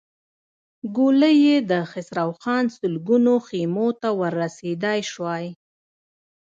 ګولۍ يې د خسروخان سلګونو خيمو ته ور رسېدای شوای.